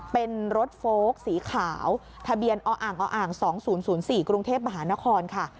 เป็นรถโฟลกสีขาวทะเบียนออ่างออ่าง๒๐๐๔กรุงเทพมหานครค่ะ